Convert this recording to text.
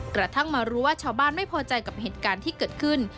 กระทั่งมารู้ว่าชาวบ้านไม่พอใจกับเหตุการณ์ที่เกิดขึ้น